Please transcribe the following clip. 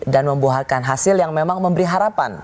dan membahayakan hasil yang memang memberi harapan